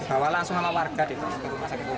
bawa langsung sama warga di rumah sakit